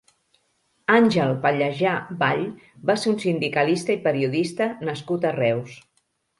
Àngel Pallejà Vall va ser un sindicalista i periodista nascut a Reus.